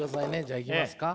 じゃあいきますか。